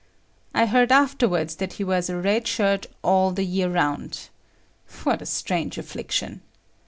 I heard afterwards that he wears a red shirt all the year round. What a strange affliction!